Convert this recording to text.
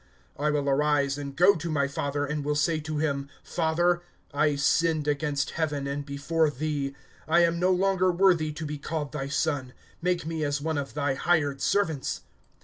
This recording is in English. (18)I will arise and go to my father, and will say to him: Father, I sinned against heaven, and before thee. (19)I am no longer worthy to be called thy son; make me as one of thy hired servants.